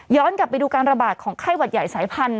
กลับไปดูการระบาดของไข้หวัดใหญ่สายพันธุ